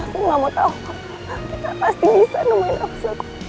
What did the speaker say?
selama kau pak kita pasti bisa nemuin elsa